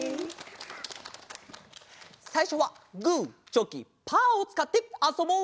さいしょはグーチョキパーをつかってあそぼう！